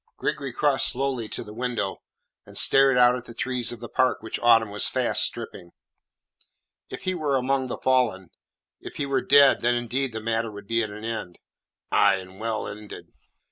Gregory crossed slowly to the window, and stared out at the trees of the park which autumn was fast stripping. "If he were among the fallen if he were dead then indeed the matter would be at an end." "Aye, and well ended."